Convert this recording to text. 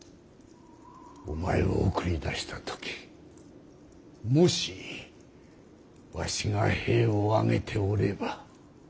お前を送り出した時もしわしが兵を挙げておれば。